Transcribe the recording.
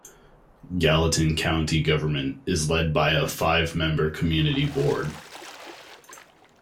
Gallatin County government is led by a five-member county board.